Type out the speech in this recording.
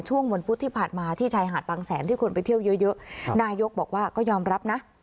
วันพุธที่ผ่านมาที่ชายหาดบางแสนที่คนไปเที่ยวเยอะเยอะนายกบอกว่าก็ยอมรับนะ